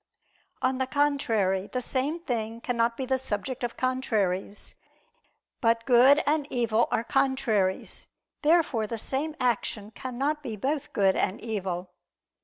On the contrary, The same thing cannot be the subject of contraries. But good and evil are contraries. Therefore the same action cannot be both good and evil.